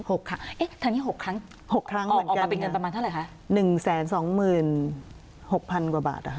ออกมาเป็นเงินประมาณเท่าไหร่ค่ะ๑๒๖๐๐๐บาท